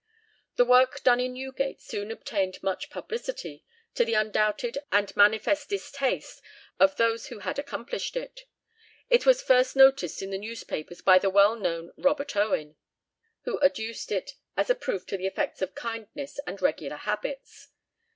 The work done in Newgate soon obtained much publicity, to the undoubted and manifest distaste of those who had accomplished it. It was first noticed in the newspapers by the well known Robert Owen, who adduced it as a proof of the effects of kindness and regular habits.